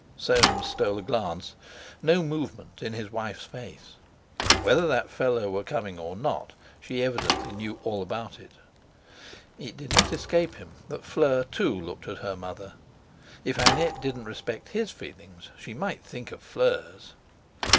Soames stole a glance. No movement in his wife's face! Whether that fellow were coming or not, she evidently knew all about it. It did not escape him that Fleur, too, looked at her mother. If Annette didn't respect his feelings, she might think of Fleur's!